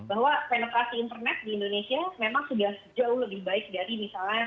bahwa penetrasi internet di indonesia memang sudah jauh lebih baik dari misalnya